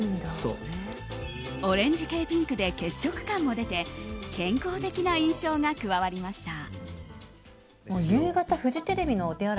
オレンジ系ピンクで血色感も出て健康的な印象が加わりました。